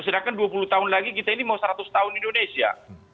sedangkan dua puluh tahun lagi kita ini mau seratus tahun indonesia